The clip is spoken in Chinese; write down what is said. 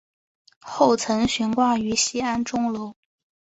后曾悬挂于西安钟楼。